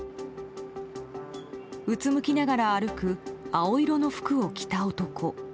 うつむきながら歩く青色の服を着た男。